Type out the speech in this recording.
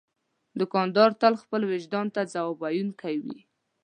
دوکاندار تل خپل وجدان ته ځواب ویونکی وي.